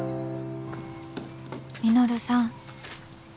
「稔さん。